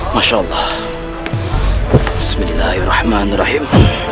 masya allah bismillahirrahmanirrahim